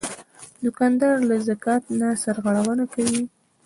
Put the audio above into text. دوکاندار له زکات نه سرغړونه نه کوي.